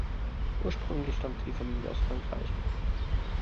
Ursprünglich stammte die Familie aus Frankreich.